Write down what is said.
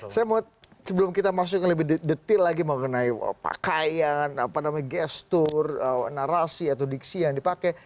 saya mau sebelum kita masukkan lebih detail lagi mengenai pakaian apa namanya gestur narasi atau diksi yang dipakai